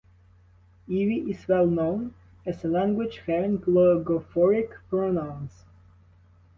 Ewe is well known as a language having logophoric pronouns.